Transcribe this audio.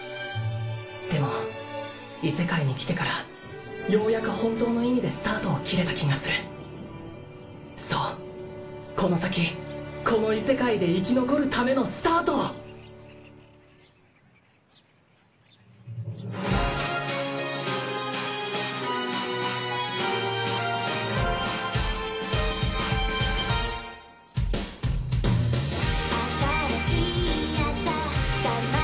でも異世界に来てからようやく本当の意味でスタートを切れた気がするそうこの先この異世界で生き残るためのスタートをようルシエル